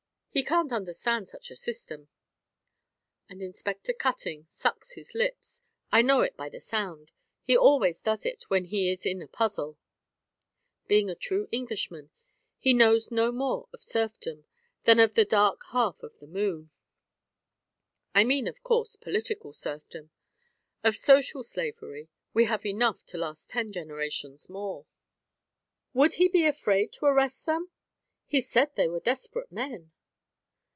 He can't understand such a system." And Inspector Cutting sucks his lips I know it by the sound he always does it when he is in a puzzle. Being a true Englishman, he knows no more of serfdom, than of the dark half of the moon. I mean, of course, political serfdom. Of social slavery we have enough to last ten generations more. "Would he be afraid to arrest them? He said they were desperate men."